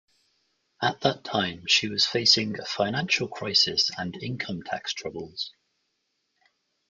At that time, she was facing a financial crisis and income tax troubles.